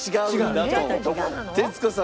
徹子さん